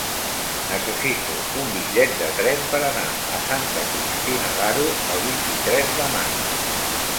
Necessito un bitllet de tren per anar a Santa Cristina d'Aro el vint-i-tres de maig.